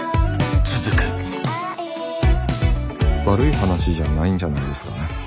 悪い話じゃないんじゃないですかね。